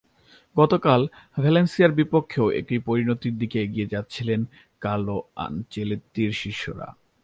গতকাল ভ্যালেন্সিয়ার বিপক্ষেও একই পরিণতির দিকেই এগিয়ে যাচ্ছিলেন কার্লো আনচেলত্তির শিষ্যরা।